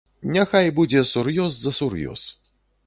Няхай будзе сур'ёз за сур'ёз!